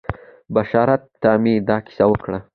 بشرا ته مې دا کیسه وکړه.